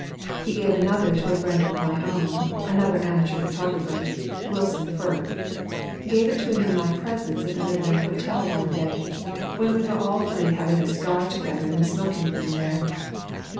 He gave another to a friend of my own, another amateur photographer, Wilson Firth gave him it in my presence at the Midland Hotel one day, when we were all three having a cigar together in the smoking room there.